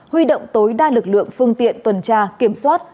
huy động tối đa lực lượng phương tiện tuần tra kiểm soát